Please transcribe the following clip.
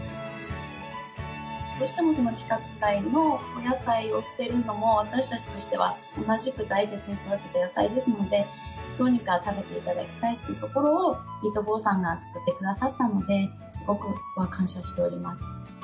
どうしてもその規格外のお野菜を捨てるのも私たちとしては同じく大切に育てた野菜ですのでどうにか食べて頂きたいっていうところをｅａｔｆｏｒさんが救ってくださったのですごくそこは感謝しております。